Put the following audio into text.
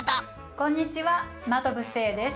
こんにちは真飛聖です。